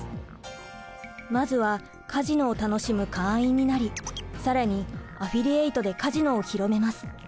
まずはカジノを楽しむ会員になり更にアフィリエイトでカジノを広めます。